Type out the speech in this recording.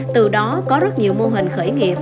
từ đó có rất nhiều mô hình khởi nghiệp